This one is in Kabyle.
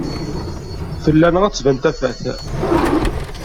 Fell-aneɣ ad d-tban tafat.